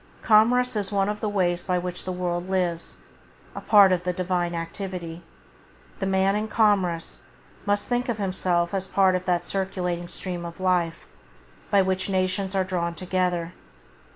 Commerce is one of the ways by which the world lives — a part of the Divine activity. The man in Commerce must think of himself as part of that circulating stream of life by which nations are drawn together.